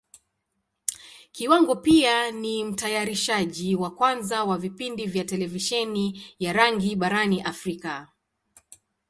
Kiwango pia ni Mtayarishaji wa kwanza wa vipindi vya Televisheni ya rangi barani Africa.